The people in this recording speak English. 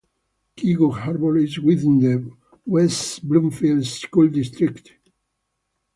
Keego Harbor is within the West Bloomfield School District.